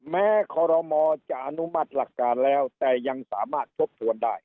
คอรมอจะอนุมัติหลักการแล้วแต่ยังสามารถทบทวนได้